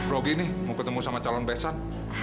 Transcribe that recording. rogi nih mau ketemu sama calon besan